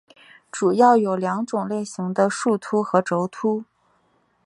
主要有两种类型的树突和轴突。